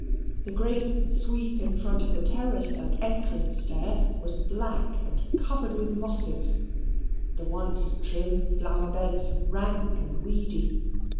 The great sweep in front of the terrace and entrance stair was black and covered with mosses; the once trim flower beds rank and weedy.